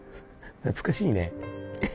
懐かしいね。